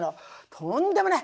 とんでもない。